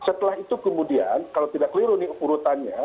setelah itu kemudian kalau tidak keliru nih urutannya